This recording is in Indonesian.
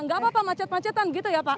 nggak apa apa macet macetan gitu ya pak